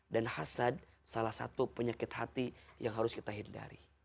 dan hasad salah satu penyakit hati yang harus kita hindari